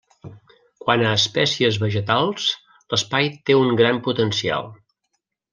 Quant a espècies vegetals, l'espai té un gran potencial.